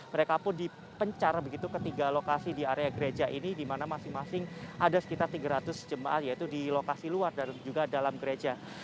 mereka pun dipencar begitu ketiga lokasi di area gereja ini dimana masing masing ada sekitar tiga ratus jemaat yaitu di lokasi luar dan juga dalam gereja